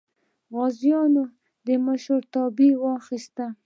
غازیانو مشرتوب یې واخیست.